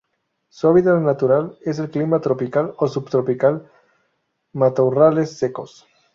Su hábitat natural es: clima tropical o subtropical, matorrales secos.